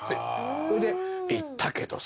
それで行ったけどさ。